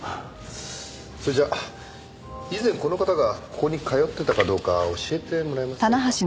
それじゃあ以前この方がここに通ってたかどうか教えてもらえませんか？